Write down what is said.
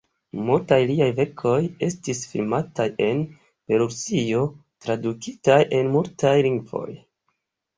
Multaj liaj verkoj estis filmitaj en Belorusio, tradukitaj en multaj lingvoj.